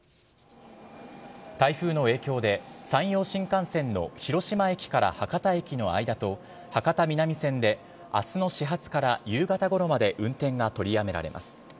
台風の影響で、山陽新幹線の広島駅から博多駅の間と、博多南線で、あすの始発から夕方ごろまで運転が取りやめられます。